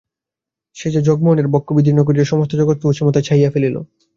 সে যে জগমোহনের বক্ষ বিদীর্ণ করিয়া সমস্ত জগৎকে অসীমতায় ছাইয়া ফেলিল।